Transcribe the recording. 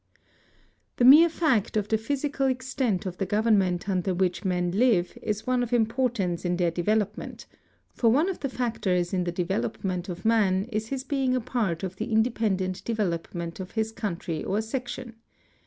The mere fact of the physical extent of the government under which men live is one of importance in their develop ment, for one of the factors in the development of man is his being a part of the independent development of his country or section.